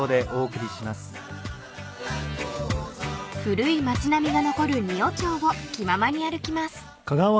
［古い町並みが残る仁尾町を気ままに歩きます］